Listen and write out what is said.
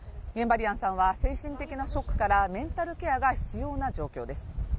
リアンさんは精神的なショックからメンタルケアが必要な状況です